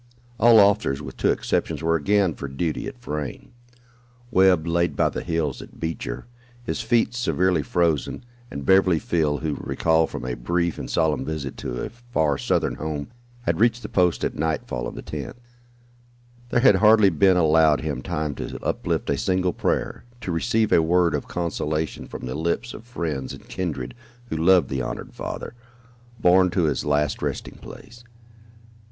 All the officers, with two exceptions, were again for duty at Frayne. Webb, laid by the heels at Beecher, his feet severely frozen, and Beverly Field, who, recalled from a brief and solemn visit to a far southern home, had reached the post at nightfall of the 10th. There had hardly been allowed him time to uplift a single prayer, to receive a word of consolation from the lips of friends and kindred who loved the honored father, borne to his last resting place.